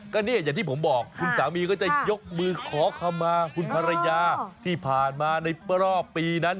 ก็เนี่ยอย่างที่ผมบอกคุณสามีก็จะยกมือขอคำมาคุณภรรยาที่ผ่านมาในรอบปีนั้น